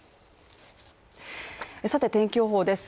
さて、天気予報です。